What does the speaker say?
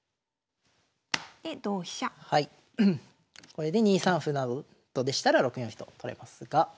これで２三歩などでしたら６四飛と取れますが。